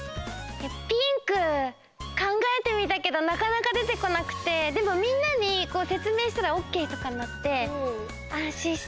ピンクかんがえてみたけどなかなか出てこなくてでもみんなにせつめいしたらオーケーとかになってあんしんした。